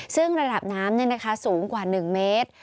ซึ่งระดับน้ำสูงกว่า๑เมตร